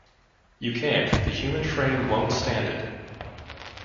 You can’t; the human frame won’t stand it.